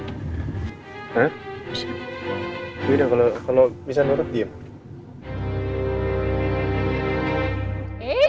udah kalau bisa nurut diem